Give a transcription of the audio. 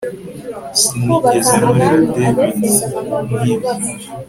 Sinigeze nkorera David nkibyo